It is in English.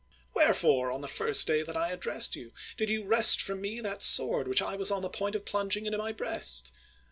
Wherefore, on the first day that I addressed 238 GERMANICUS you, did you wrest from me that sword which I was on the point of plunging into my breast!